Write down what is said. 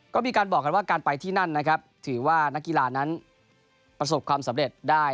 ก็มีการบอกกันว่าการไปที่นั่นนะครับถือว่านักกีฬานั้นประสบความสำเร็จได้